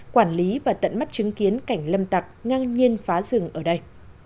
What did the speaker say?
quản lý và tận mắt chứng kiến cảnh lâm tặc ngang nhiên phá rừng ở đây